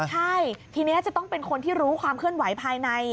ใช่ทีนี้จะต้องเป็นคนที่รู้ความเคลื่อนไหวภายใน